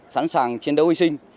sẵn sàng chiến đấu y sinh